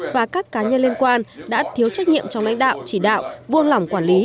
và các cá nhân liên quan đã tiếu trách nhiệm trong lãnh đạo chỉ đạo buôn lỏng quản lý